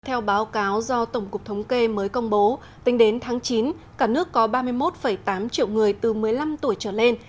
theo báo cáo do tổng cục thống kê mới công bố tính đến tháng chín cả nước có ba mươi một tám triệu người từ một mươi năm tuổi trở lên